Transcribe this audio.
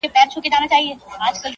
• پسرلی وایې جهاني دي پرې باران سي,